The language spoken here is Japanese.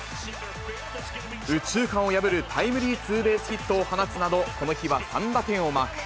右中間を破るタイムリーツーベースヒットを放つなど、この日は３打点をマーク。